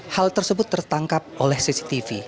hal tersebut tertangkap oleh cctv